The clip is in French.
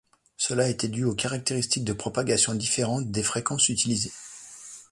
Cela était dû aux caractéristiques de propagation différentes des fréquences utilisées.